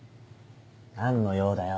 何の用だよ。